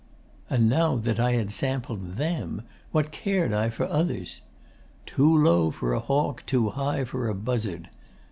And now that I had sampled THEM, what cared I for others? "Too low for a hawk, too high for a buzzard."